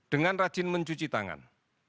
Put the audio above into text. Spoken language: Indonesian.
dengan rajin mencuci tangan